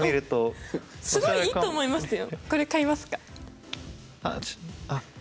すごいいいと思いますよ。